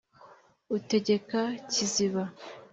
utegeka kiziba :